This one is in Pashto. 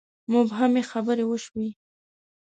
مبهمې خبرې وشوې.